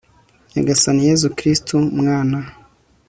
nyagasani, yezu kristu, mwana